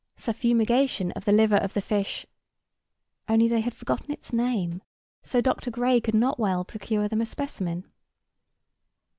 Suffumigation of the liver of the fish Only they had forgotten its name, so Dr. Gray could not well procure them a specimen.